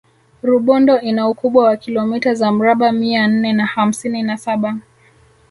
rubondo ina ukubwa wa kilomita za mraba mia nne na hamsini na saba